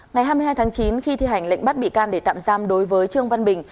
ngày hai mươi hai tháng chín khi thi hành lệnh bắt bị can để tạm giam đối với trương văn bình